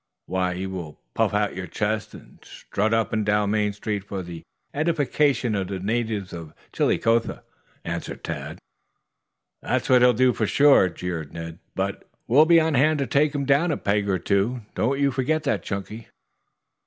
"Why, you will puff out your chest and strut up and down Main Street for the edification of the natives of Chillicothe," answered Tad. "That's what he'll do, for sure," jeered Ned. "But we'll be on hand to take him down a peg or two. Don't you forget that, Chunky."